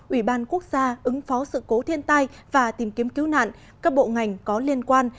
ủy ban quốc gia ứng phó sự cố thiên tai và tìm kiếm cứu nạn các bộ ngành có liên quan